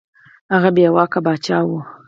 هغه بې واکه پاچا وو.